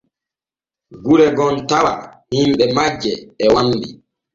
Gure gom tawa himɓe majje e wambi.